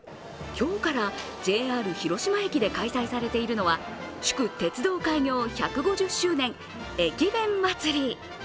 今日からＪＲ広島駅で開催されているのは、祝・鉄道開業１５０周年駅弁祭。